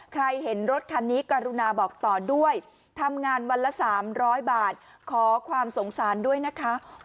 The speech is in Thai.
เห็นรถคันนี้กรุณาบอกต่อด้วยทำงานวันละ๓๐๐บาทขอความสงสารด้วยนะคะ